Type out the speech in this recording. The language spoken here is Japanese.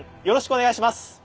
よろしくお願いします。